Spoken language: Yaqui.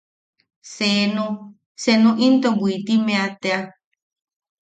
Senu... senu into Bwitimeʼa tea.